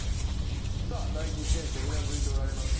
さあ大吉先生うなずいておられます。